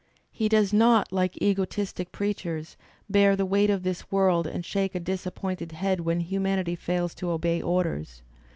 He does not, like egotistic preachers, bear the weight of this world and shake a disap pointed head when humanity fails to obey orders.